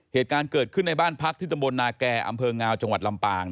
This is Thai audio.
เหตุการณ์เกิดขึ้นในบ้านพักที่ตำบลนาแก่อำเภองาวจังหวัดลำปาง